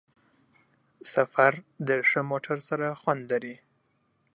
سفر د ښه موټر سره خوند لري.